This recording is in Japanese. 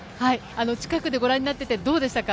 近くでご覧になっててどうでしたか？